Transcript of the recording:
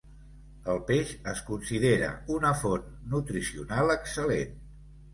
El peix es considera una font nutricional excel·lent.